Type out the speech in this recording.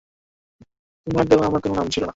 আর তার পিতার নাম মাসউদ।